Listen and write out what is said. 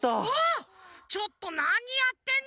ちょっとなにやってんのさ！